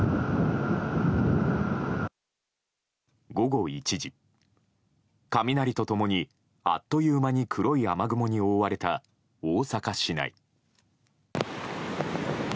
午後１時雷と共にあっという間に黒い雨雲に覆われた大阪市内。